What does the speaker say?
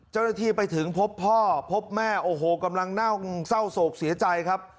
เจ้าหน้าที่ไปถึงพบพ่อพบแม่โอ้โหกำลังเน่าเศร้าโศกเสียใจครับ